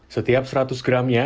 setiap seratus gramnya